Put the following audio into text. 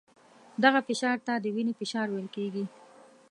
دغه فشار ته د وینې فشار ویل کېږي.